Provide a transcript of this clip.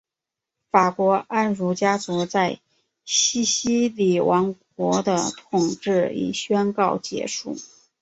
法国安茹家族在西西里王国的统治已宣告结束。